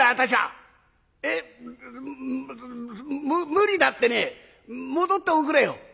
無理だってね戻っておくれよ。